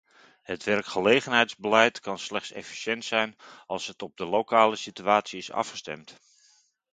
Het werkgelegenheidsbeleid kan slechts efficiënt zijn als het op de lokale situatie is afgestemd.